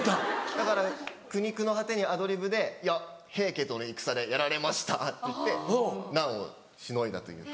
だから苦肉の果てにアドリブで「いや平家との戦でやられました」って言って難をしのいだというか。